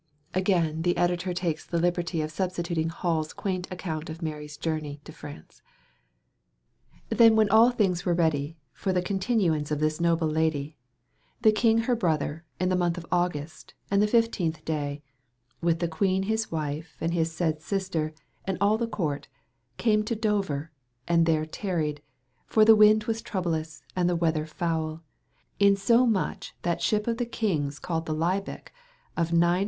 [Again the editor takes the liberty of substituting Hall's quaint account of Mary's journey to France.] Then when all things were redy for the conueyaunce of this noble Ladye, the kyng her brother in the moneth of Auguste, and the xV daye, with the quene his wife and his sayde sister and al the court came to Douer and there taryed, for the wynde was troblous and the wether fowle, in so muche that shippe of the kynges called the Libeck of IXC.